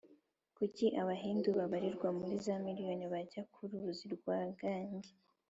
kuki abahindu babarirwa muri za miriyoni bajya ku ruzi rwa gange?